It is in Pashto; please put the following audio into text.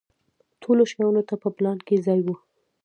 ټولو شیانو ته په پلان کې ځای و.